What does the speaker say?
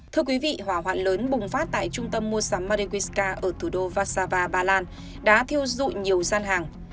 thưa quý vị hỏa hoạn lớn bùng phát tại trung tâm mua sắm madewiska ở thủ đô vassava bà lan đã thiêu dụi nhiều gian hàng